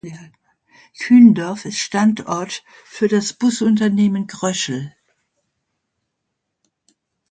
Kühndorf ist Standort für das Busunternehmen Gröschel.